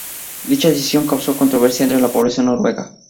Dicha decisión causó controversia entre la población noruega.